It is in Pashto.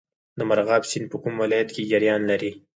د مرغاب سیند په کوم ولایت کې جریان لري؟